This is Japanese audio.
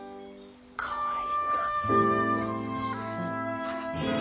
かわいい。